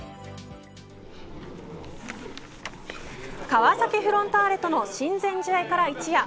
川崎フロンターレとの親善試合から一夜。